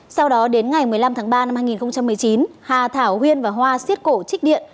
sau đó đến ngày một mươi năm tháng ba năm hai nghìn một mươi chín hà thảo huyên và hoa xiết cổ trích điện